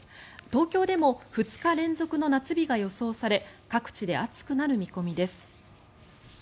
東京でも２日連続の夏日が予想され各地で暑くなる見込みです。